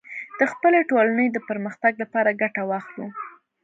د خپلې ټولنې د پرمختګ لپاره ګټه واخلو